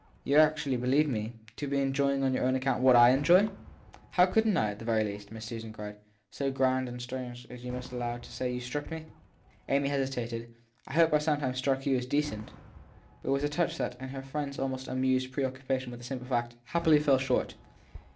You ve actually believed me* 1 To be enjoying on your own account what / enjoy ? How couldn t I, at the very least, Miss Susan cried so grand and strange as you must allow me to say you ve struck me ? Amy hesitated. I hope I ve sometimes struck you as decent ! But it was a touch that, in her friend s almost amused pre occupation with the simple fact, happily fell short.